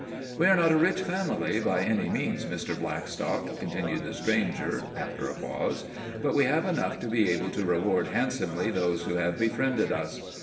"We are not a rich family, by any means, Mr. Blackstock," continued the stranger, after a pause. "But we have enough to be able to reward handsomely those who have befriended us.